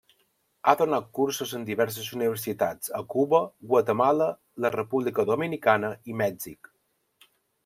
Ha donat cursos en diverses universitats a Cuba, Guatemala, la República Dominicana i Mèxic.